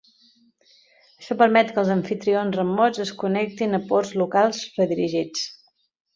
Això permet que els amfitrions remots es connectin a ports locals redirigits.